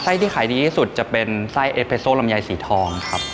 ที่ขายดีที่สุดจะเป็นไส้เอเพโซลำไยสีทองครับ